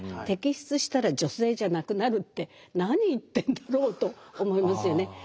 「摘出したら女性じゃなくなる」って何言ってんだろうと思いますよね。